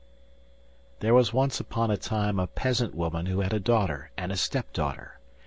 There was once upon a time a peasant woman who had a daughter and a step daughter.